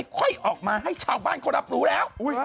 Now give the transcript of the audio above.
ค่อยออกมาให้ชาวบ้านเขารับรู้แล้ว